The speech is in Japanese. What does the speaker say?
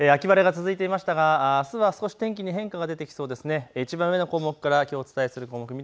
秋晴れが続いていましたがあすは少し天気に変化が出てきそうです。